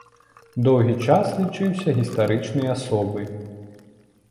Доўгі час лічыўся гістарычнай асобай.